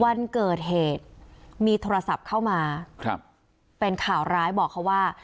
วันเกิดเหตุมีโทรศัพท์เข้ามาครับเป็นข่าวร้ายบอกเขาว่า